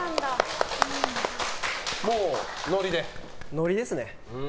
ノリですね